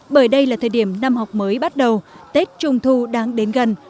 bởi đây là thời điểm năm học mới bắt đầu tết trung thu đang đến gần